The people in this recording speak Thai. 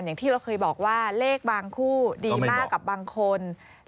อย่างที่เราเคยบอกว่าเลขบางคู่ดีมากกับบางคน